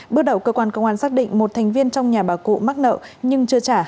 bước đầu cơ quan công an xác định một thành viên trong nhà bà cụ mắc nợ nhưng chưa trả